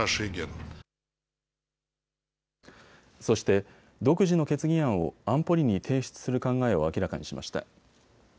そして独自の決議案を安保理に提出する考えを明らかにしました。